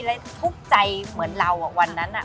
และทุกใจเหมือนเราอะวันนั้นอะ